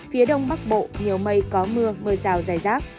phía đông bắc bộ nhiều mây có mưa mưa rào dài rác